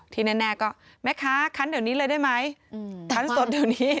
แน่ก็แม่ค้าคันเดี๋ยวนี้เลยได้ไหมคันสดเดี๋ยวนี้